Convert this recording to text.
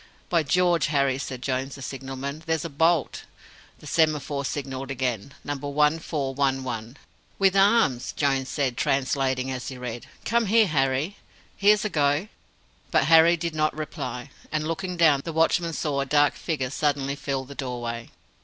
"By George, Harry," said Jones, the signalman, "there's a bolt!" The semaphore signalled again: "Number 1411". "WITH ARMS!" Jones said, translating as he read. "Come here, Harry! here's a go!" But Harry did not reply, and, looking down, the watchman saw a dark figure suddenly fill the doorway.